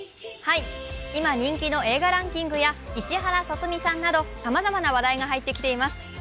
今、人気の映画ランキングや石原さとみさんなどさまざまな話題が入ってきています。